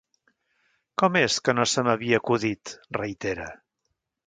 Com és que no se m'havia acudit? —reitera.